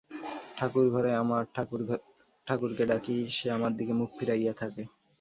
ঠাকুরঘরে আমার ঠাকুরকে ডাকি, সে আমার দিকে মুখ ফিরাইয়া থাকে।